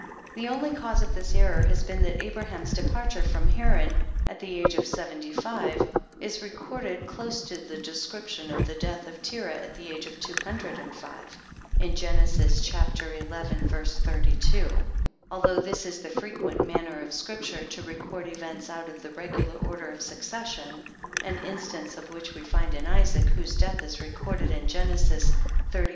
The only cause of this error has been that Abraham's departure from Haran, at the age of 75, is recorded close to the description of the death of Terah, at the age of 205, in Gen. ch. xi. v. 32. Although this is the frequent manner of Scripture, to record events out of the regular order of succession, (an instance of which we find in Isaac, whose death is recorded in Gen. xxxv.